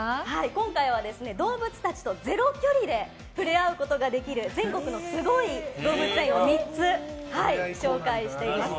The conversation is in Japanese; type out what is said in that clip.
今回は、動物たちとゼロ距離で触れ合うことができる全国のすごい動物園を３つ、紹介しています。